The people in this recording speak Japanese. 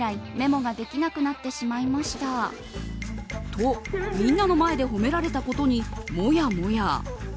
と、みんなの前で褒められたことに、もやもや。